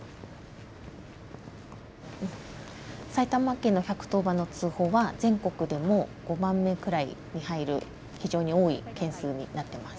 埼玉県の１１０番の通報は全国でも５番目くらいに入る非常に多い件数になってます。